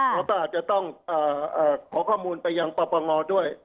เขาอาจจะต้องขอข้อมูลไปยังปรับประงอด้วย